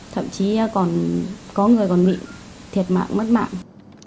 thậm chí còn có người còn bị thiệt mạng mất mạng